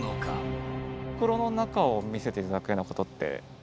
袋の中を見せていただくようなことって。